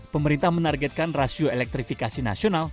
pemerintah menargetkan rasio elektrifikasi nasional